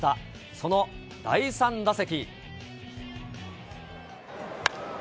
その第３打席。